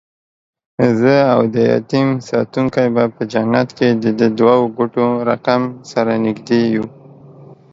زه اودیتیم ساتونکی به په جنت کې ددې دوو ګوتو رکم، سره نږدې یو